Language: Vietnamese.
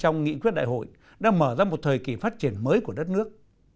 trong nghị quyết đại hội đã mở ra một thời kỳ phát triển mới của đất nước